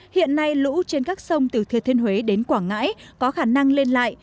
hiện nay lũ trên các sông từ thừa thiên huế đến quảng ngãi có khả năng lên lại